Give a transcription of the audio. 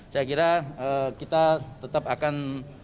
saya kira kita tetap akan